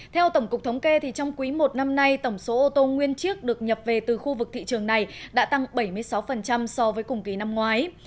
theo tổng cục thống kê trong quý một năm nay tổng số ô tô nguyên chiếc được nhập về từ khu vực thị trường này đã tăng bảy mươi sáu so với cùng kỳ năm ngoái